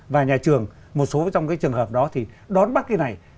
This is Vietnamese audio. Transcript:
và nhà trường một số trong cái trường hợp đó thì đón bắt cái này